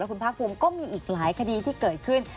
คุณภาคภูมิก็มีอีกหลายคดีที่เกิดขึ้น